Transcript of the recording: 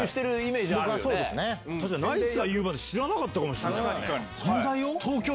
確かにナイツが言うまで知らなかったかもしれない。